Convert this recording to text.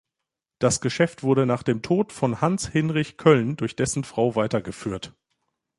Das Geschäft wurde nach dem Tod von Hans Hinrich Kölln durch dessen Frau weitergeführt.